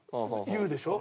言うでしょ？